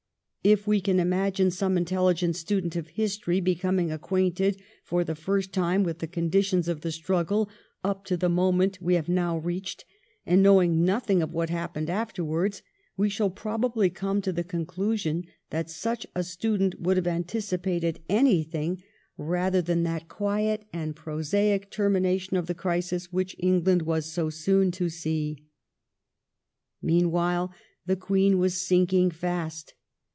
If we can imagine some intelligent student of history becoming acquainted for the first time with the conditions of the struggle up to the moment we have now reached, and know ing nothing of what happened afterwards, we shall probably come to the conclusion that such a student would have anticipated anything rather than that quiet and prosaic termination of the crisis which England was so soon to see. Meanwhile the Queen was sinking fast.